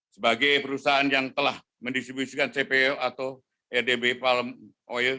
sebagai perusahaan yang telah mendistribusikan cpo atau rdb palm oil